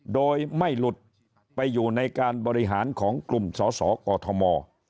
โดยไม่หลุดไปอยู่ในการบริหารของกลุ่มสสกม